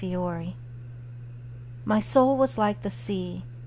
THE MOON My soul was like the sea.